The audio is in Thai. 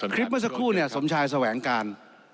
คลิปเมื่อสักครู่เนี่ยสมชายแสวงการ